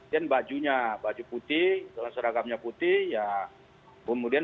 dan bajunya baju putih telah seragamnya putih ya